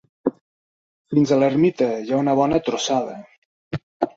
Fins a l'ermita, hi ha una bona trossada.